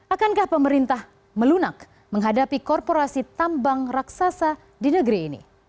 akankah pemerintah melunak menghadapi korporasi tambang raksasa di negeri ini